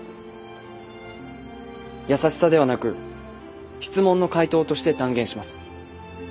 優しさではなく質問の回答として断言します。